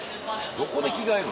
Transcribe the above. どこで着替えるん？